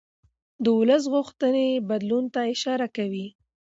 د ولس غوښتنې بدلون ته اشاره کوي